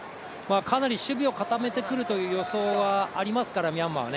かなり守備を固めてくるという予想はありますからミャンマーは。